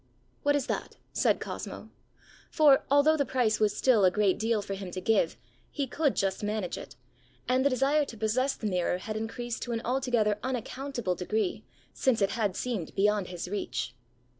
ã ãWhat is that?ã said Cosmo; for, although the price was still a great deal for him to give, he could just manage it; and the desire to possess the mirror had increased to an altogether unaccountable degree, since it had seemed beyond his reach.